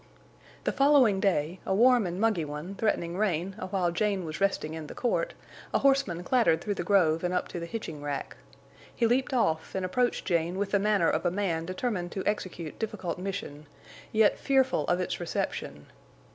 The following day, a warm and muggy one threatening rain awhile Jane was resting in the court, a horseman clattered through the grove and up to the hitching rack. He leaped off and approached Jane with the manner of a man determined to execute difficult mission, yet fearful of its reception.